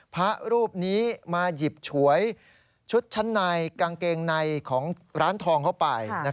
พระรูปนี้มาหยิบฉวยชุดชั้นในกางเกงในของร้านทองเข้าไป